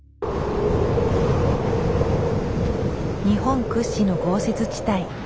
日本屈指の豪雪地帯